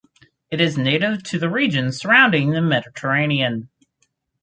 It is native to the regions surrounding the Mediterranean.